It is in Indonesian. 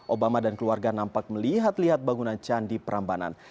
obama dan keluarga nampak melihat lihat bangunan candi prambanan